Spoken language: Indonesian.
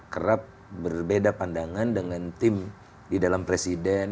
kerap berbeda pandangan dengan tim di dalam presiden